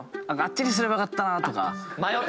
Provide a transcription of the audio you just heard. あっちにすればよかったなとか。